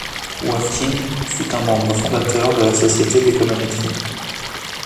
Working fut un membre fondateur de la société d'économétrie.